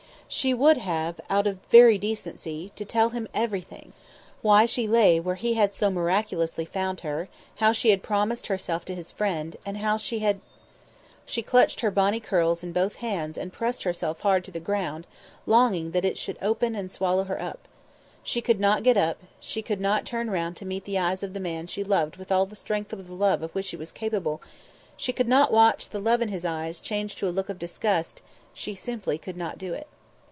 She would have, out of very decency, to tell him everything: why she lay where he had so miraculously found her; how she had promised herself to his friend; how she had ... She clutched her bonny curls in both hands and pressed herself hard to the ground, longing that it should open and swallow her up. She could not get up, she could not turn round to meet the eyes of the man she loved with all the strength of the love of which she was capable; she could not watch the love in his eyes change to a look of disgust; she simply could not do it.